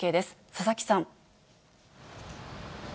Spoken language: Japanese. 佐々木さん。